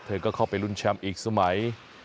เธอก็เข้าไปลุ้นแชมป์อีกสมัย